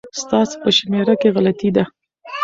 ستاسو په شمېره کي غلطي ده